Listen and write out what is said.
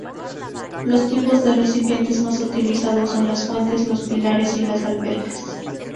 Los tipos de recipientes más utilizados son las fuentes, los pilares y las albercas.